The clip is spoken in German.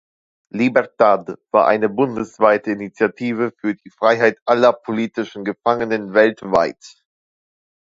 Libertad war eine bundesweite Initiative für die Freiheit aller politischen Gefangenen weltweit.